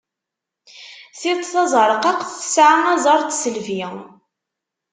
Tiṭ tazeṛqaqt tesɛa aẓar n tisselbi.